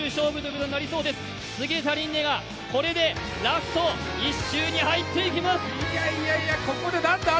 菅田琳寧がこれでラスト１周に入っていきます。